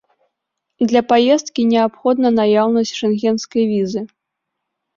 Для паездкі неабходна наяўнасць шэнгенскай візы.